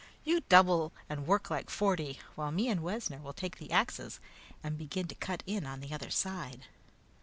You double and work like forty, while me and Wessner will take the axes and begin to cut in on the other side."